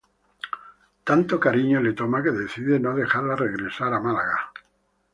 Tanto cariño le toma, que decide no dejarla regresar a Málaga.